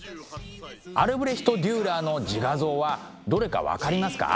アルブレヒト・デューラーの自画像はどれか分かりますか？